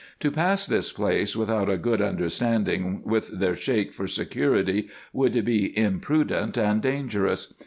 To pass this place without a good understanding with their Sheik for security would be imprudent and dangerous.